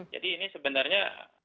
jadi ini sebenarnya